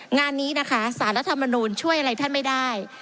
งานนี้นะคะสารรัฐมนูลช่วยอะไรท่านไม่ได้